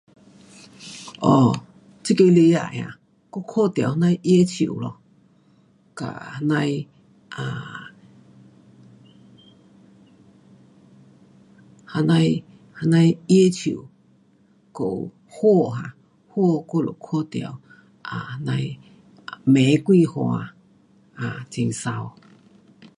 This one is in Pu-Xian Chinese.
哦，这个礼拜啊，我看到那样的耶树咯，嘎，那样的，啊，这样的，这样的耶树跟花，花我有看到啊，那样的玫瑰花，啊，很美。